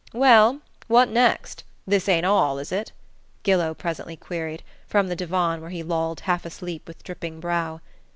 "Well, what next this ain't all, is it?" Gillow presently queried, from the divan where he lolled half asleep with dripping brow.